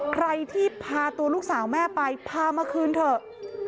ใครที่พาตัวลูกสาวแม่ไปพามาคืนเถอะ